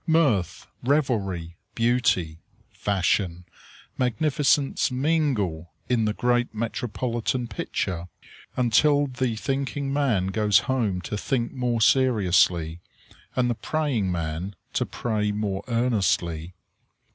Mirth, revelry, beauty, fashion, magnificence mingle in the great metropolitan picture, until the thinking man goes home to think more seriously, and the praying man to pray more earnestly.